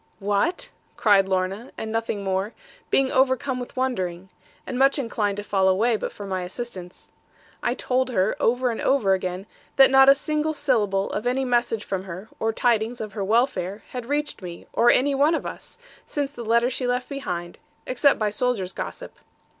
'What!' cried Lorna; and nothing more; being overcome with wondering; and much inclined to fall away, but for my assistance. I told her, over and over again, that not a single syllable of any message from her, or tidings of her welfare, had reached me, or any one of us, since the letter she left behind; except by soldier's gossip.